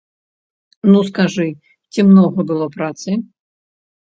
Ну, скажы, ці многа было працы?